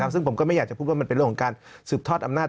ซึ่งผมก็ไม่อยากจะพูดว่ามันเป็นเรื่องของการสืบทอดอำนาจ